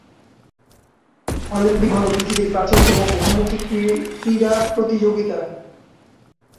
Olympic হল পৃথিবীর প্রাচীনতম বহুমুখী ক্রীড়া প্রতিযোগিতা।